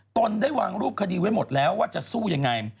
ตนได้วางรูปคดีไว้หมดแล้วว่าจะสู้ยังไง